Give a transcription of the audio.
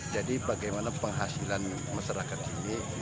jadi bagaimana penghasilan masyarakat ini